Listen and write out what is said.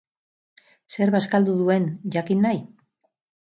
Zer bazkaldu duen jakin nahi?